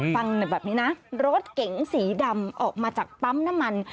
ฟังแบบนี้นะรถเก๋งสีดำออกมาจากปั๊มน้ำมัน